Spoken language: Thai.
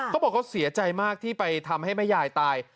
เขาบอกเขาเสียใจมากที่ไปทำให้แม่ยายตาย